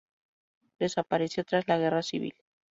Desapareció tras la Guerra Civil.